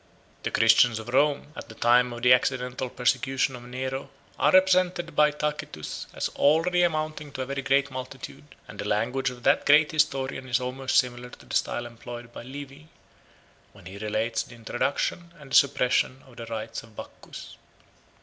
The Christians of Rome, at the time of the accidental persecution of Nero, are represented by Tacitus as already amounting to a very great multitude, 167 and the language of that great historian is almost similar to the style employed by Livy, when he relates the introduction and the suppression of the rites of Bacchus.